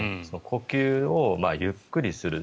呼吸をゆっくりする。